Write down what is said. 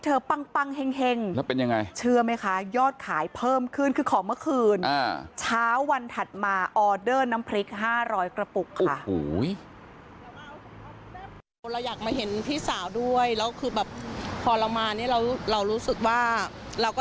ตอนเรามาเรารู้สึกว่า